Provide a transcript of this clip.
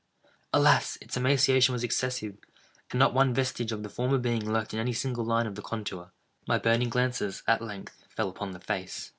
Alas! its emaciation was excessive, and not one vestige of the former being lurked in any single line of the contour. My burning glances at length fell upon the face.